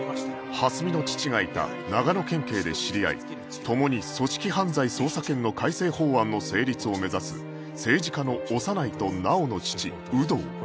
蓮見の父がいた長野県警で知り合い共に組織犯罪捜査権の改正法案の成立を目指す政治家の小山内と直央の父有働